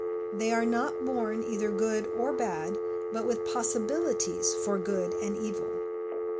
They are not born either good or bad, but with possibilities for good and evil.